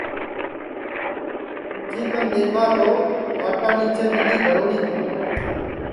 اُٹھی کن دؔیکھا تو کھاٹا نیچے ٻیلی دھروڑی تی